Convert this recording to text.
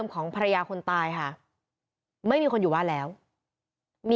ก็ทุ่มกว่าแล้วอะ